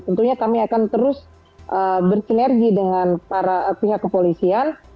tentunya kami akan terus bersinergi dengan para pihak kepolisian